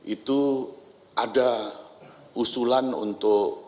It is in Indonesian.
itu ada usulan untuk